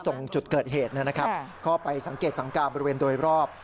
ตรงจุดเกิดเหตุนะครับก็ไปสังเกตสังการบริเวณโดยรอบ